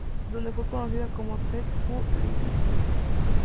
Donde fue conocida como "Take-Two Licensing".